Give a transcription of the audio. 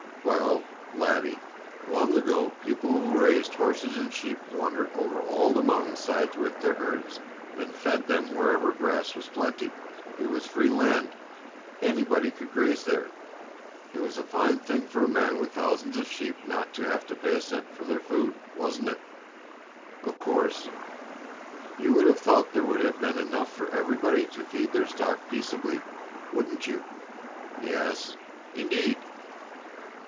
"Well, laddie, long ago people who raised horses and sheep wandered over all the mountainsides with their herds, and fed them wherever grass was plenty. It was free land. Anybody could graze there. It was a fine thing for a man with thousands of sheep not to have to pay a cent for their food, wasn't it?" "Of course." "You would have thought there would have been enough for everybody to feed their stock peaceably, wouldn't you?" "Yes, indeed!"